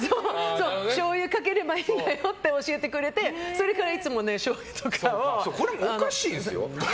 しょうゆをかければいいんだよって教えてくれてそれからいつもしょうゆとかを。